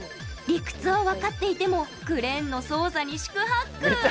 理屈は分かっていてもクレーンの操作に四苦八苦。